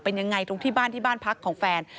เป็นยังไงตรงที่บ้านที่บ้านพักของแฟน